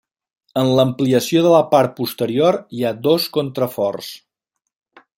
En l'ampliació de la part posterior hi ha dos contraforts.